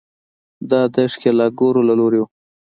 دا د ښکېلاکګرو له لوري وو.